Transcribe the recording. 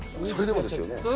それでもですよね。